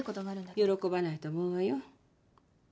喜ばないと思うわよ。